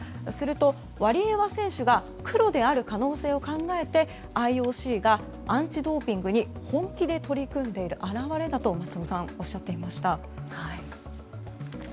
するとワリエワ選手が黒である可能性も考えてＩＯＣがアンチ・ドーピングに本気で取り組んでいる表れだとおっしゃっていました。